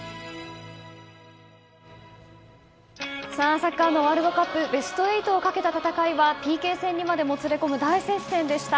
サッカーのワールドカップベスト８をかけた戦いはＰＫ戦にまでもつれ込む大接戦でした。